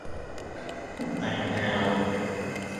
He also played for the Penguin Cafe Orchestra.